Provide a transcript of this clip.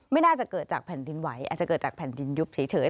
น่าจะเกิดจากแผ่นดินไหวอาจจะเกิดจากแผ่นดินยุบเฉย